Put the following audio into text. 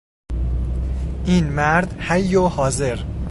این مرد حی و حاضر